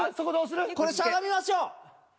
これしゃがみましょう。